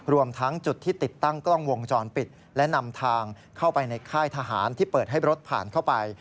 รวมทั้งจุดที่ติดตั้งกล้องวงจรปิดและนำทางเข้าไปในค่ายทหารที่เปิดให้รถผ่านเข้าไป